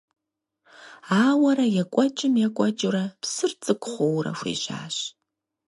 Ауэрэ екӀуэкӀым - екӀуэкӀыурэ, псыр цӀыкӀу хъууэ хуежьащ.